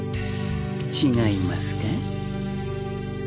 違いますか？